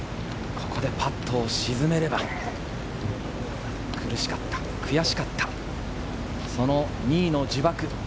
ここでパットを沈めれば、苦しかった、悔しかった、その２位の呪縛。